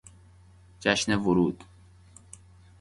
جشن ورود